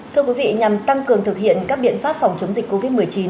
thưa quý vị nhằm tăng cường thực hiện các biện pháp phòng chống dịch covid một mươi chín